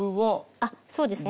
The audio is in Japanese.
あっそうですね。